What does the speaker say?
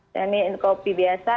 dan ini kopi biasa